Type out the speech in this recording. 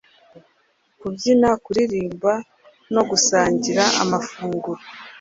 kubyina, kuririmba no gusangira amafunguro.